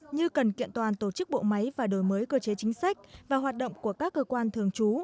như cần kiện toàn tổ chức bộ máy và đổi mới cơ chế chính sách và hoạt động của các cơ quan thường trú